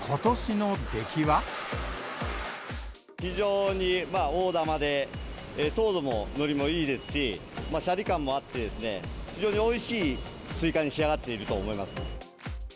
非常に大玉で、糖度の乗りもいいですし、しゃり感もあってですね、非常においしいスイカに仕上がっていると思います。